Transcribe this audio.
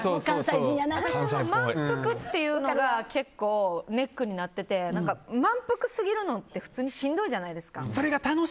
満腹っていうのが結構、ネックになってて満腹すぎるのって普通にしんどいじゃないですか。